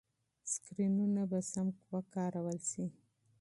سکرینونه به سم وکارول شي.